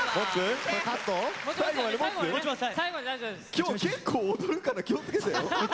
今日結構踊るから気をつけてよ。